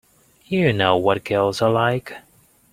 You know what girls are like.